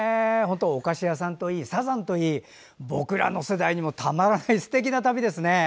お菓子屋さんといいサザンといい僕らの世代にもたまらないすてきな旅ですね。